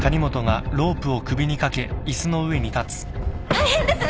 大変です！